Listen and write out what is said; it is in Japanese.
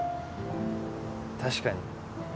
確かに。